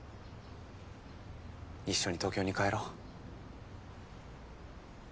一緒に東京に帰ろう。